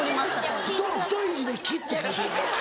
太い字で木って書いてるから。